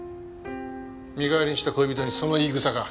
身代わりにした恋人にその言い草か。